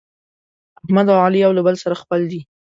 احمد او علي یو له بل سره خپل دي.